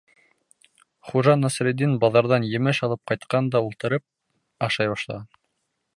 Хужа Насретдин баҙарҙан емеш алып ҡайтҡан да ултырып ашай башлаған.